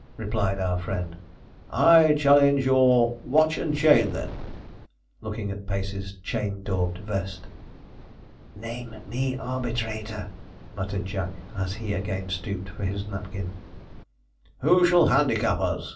replied our friend. 'I challenge your watch and chain, then,' looking at Pacey's chain daubed vest. 'Name me arbitrator,' muttered Jack, as he again stooped for his napkin. 'Who shall handicap us?